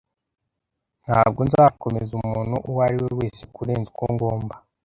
Ntabwo nzakomeza umuntu uwo ari we wese kurenza uko ngomba.